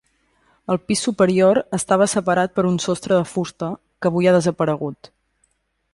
El pis superior estava separat per un sostre de fusta, que avui ha desaparegut.